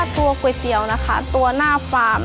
ตัวก๋วยเตี๋ยวนะคะตัวหน้าฟาร์ม